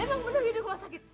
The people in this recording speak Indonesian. emang bener ya di rumah sakit